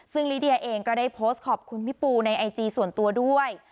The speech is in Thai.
ซึ่งลิเดียเองก็ได้โพสต์ขอบคุณพี่ปูในไอจีส่วนตัวด้วย